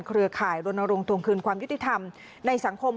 เครือข่ายรณรงควงคืนความยุติธรรมในสังคม